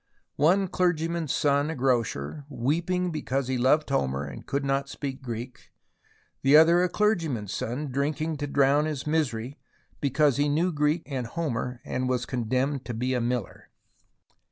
One clergyman's son a grocer, weeping because he loved Homer and could not speak Greek, the other clergyman's son drinking to drown his misery because he knew Greek and Homer, and was condemned to be a miller.